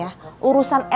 ini gue kembali